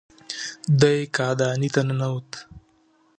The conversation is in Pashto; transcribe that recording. دی کاهدانې ته ننوت.